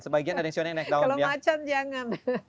sebagian ada yang sio nya naik down kalau macan jangan